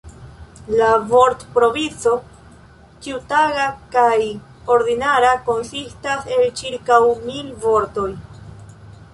La vortprovizo, ĉiutaga kaj ordinara, konsistas el ĉirkaŭ mil vortoj.